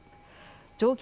乗客